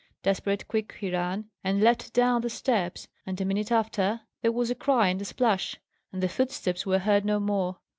Desperate quick he ran, and leapt down the steps; and, a minute after, there was a cry and a splash, and the footsteps were heard no more.